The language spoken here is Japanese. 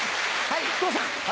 はい。